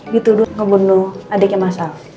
dituduh ngebunuh adiknya mas al